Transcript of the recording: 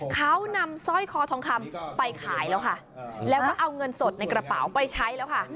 เขานำสร้อยคอทองคำไปขายแล้วค่ะแล้วก็เอาเงินสดในกระเป๋าไปใช้แล้วค่ะ